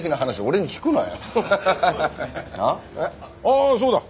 ああそうだ。